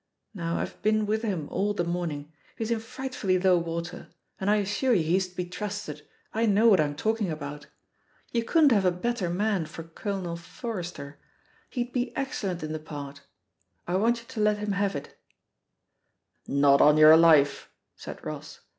Now IVe been with him all the morning; he's in frightfully low water, and I assure you he's to be trusted — I know what I'm talking about. You couldn't have a better man for 'Colonel Forrester,' he'd *^ 140 THE POSITION OF PEGGY HARPER Ke excellent in the part. I want you to let him have it/^ "Not on your lifeT* said Ross.